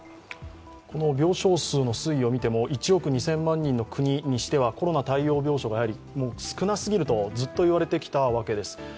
病床数の推移を見ても１億２０００万人の国としてはコロナ対応病床が少なすぎるとずっと言われてきたわけです。